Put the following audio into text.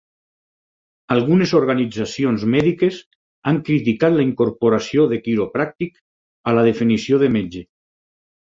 Algunes organitzacions mèdiques han criticat la incorporació de quiropràctic a la definició de metge.